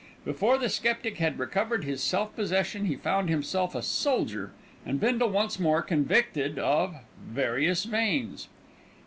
Before the sceptic had recovered his self possession he found himself a soldier and Bindle once more convicted of "various veins."